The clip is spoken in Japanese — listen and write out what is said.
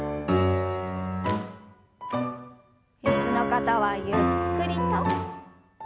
椅子の方はゆっくりと。